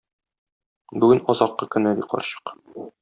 Бүген азаккы көне, - ди карчык.